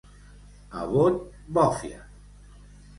A Bot, bòfia.